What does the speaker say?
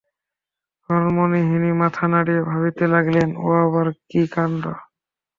হরিমোহিনী মাথা নাড়িয়া ভাবিতে লাগিলেন– এ আাবার কী কাণ্ড!